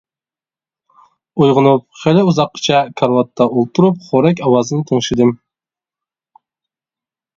ئويغىنىپ خېلى ئۇزاققىچە كارىۋاتتا ئولتۇرۇپ خورەك ئاۋازىنى تىڭشىدىم.